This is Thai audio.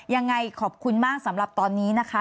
ยังไงขอบคุณมากสำหรับตอนนี้นะคะ